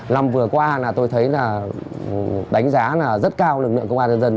lần vừa qua tôi thấy là đánh giá rất cao lực lượng công an nhân dân